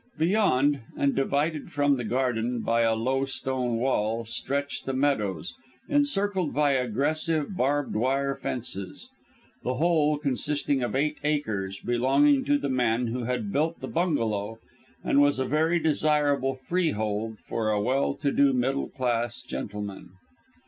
Beyond, and divided from the garden by a low stone wall, stretched the meadows, encircled by aggressive barbed wire fences. The whole, consisting of eight acres, belonged to the man who had built the bungalow, and was a very desirable freehold for a well to do middle class gentleman.